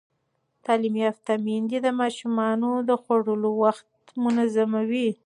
تعلیم یافته میندې د ماشومانو د خوړو وخت منظموي.